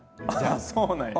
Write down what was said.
あっそうなんや。